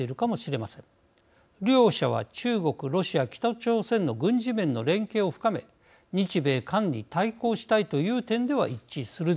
両者は中国ロシア北朝鮮の軍事面の連携を深め日米韓に対抗したいという点では一致するでしょう。